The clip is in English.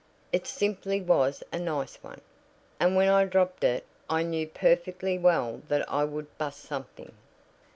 It simply was 'a nice one,' and when I dropped it I knew perfectly well that I would 'bust' something."